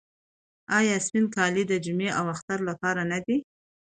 آیا سپین کالي د جمعې او اختر لپاره نه دي؟